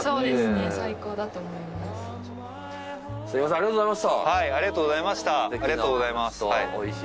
ありがとうございます。